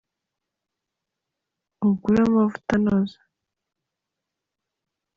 Ugure amaavuta anoze.